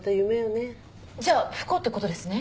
じゃあ不幸って事ですね。